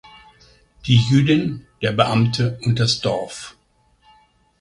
Die Jüdin, der Beamte und das Dorf".